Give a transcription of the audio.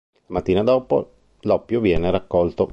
La mattina dopo l'oppio viene raccolto.